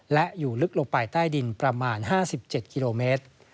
และอยู่ลึกลงไปใต้ดินประมาณ๕๗กิโลเมตร